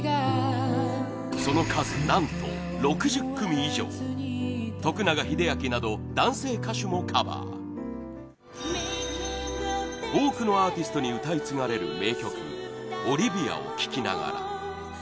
その数、何と６０組以上徳永英明など男性歌手もカバー多くのアーティストに歌い継がれる名曲「オリビアを聴きながら」